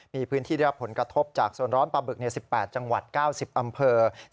มีพื้นที่ได้รับผลกระทบจากโซนร้อนปลาบึก๑๘จังหวัด๙๐อำเภอ